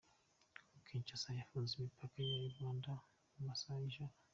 kongo Kinshasa yafunze imipaka yayo n’u Rwanda mu masaha y’ijoro